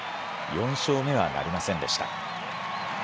４勝目はなりませんでした。